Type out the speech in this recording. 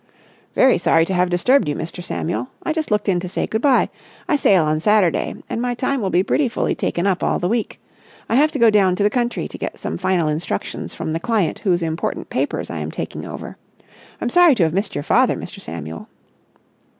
"Very sorry to have disturbed you, Mr. Samuel. I just looked in to say good bye. I sail on Saturday, and my time will be pretty fully taken up all the week. I have to go down to the country to get some final instructions from the client whose important papers I am taking over. I'm sorry to have missed your father, Mr. Samuel."